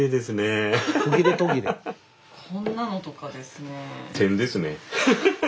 こんなのとかですね。